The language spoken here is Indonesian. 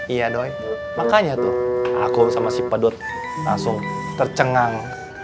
iya doy makanya tuh aku sama si pedut langsung tercengang